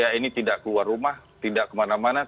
ya ini tidak keluar rumah tidak kemana mana